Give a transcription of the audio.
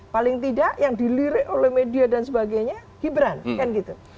paling tidak yang dilirik oleh media dan sebagainya gibran kan gitu